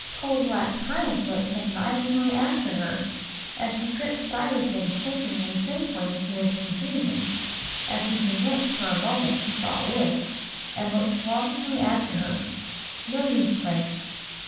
Coal black Frank looks admiringly after her as she trips by with them shaking and twinkling to his confusion, as he forgets for a moment to saw wood, and looks longingly after her. No use, Frank.